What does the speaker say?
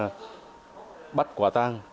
tiến hành bắt quả tăng